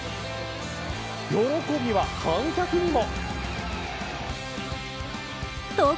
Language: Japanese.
喜びは観客にも。